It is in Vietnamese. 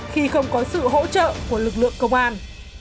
khi không có sự hỗ trợ của lực lượng công an